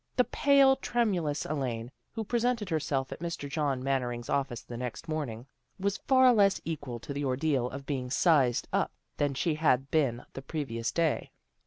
The pale, tremulous Elaine, who presented herself at Mr. John Mannering's office the next morning, was far less equal to the ordeal of being " sized up " than she had been the previous day.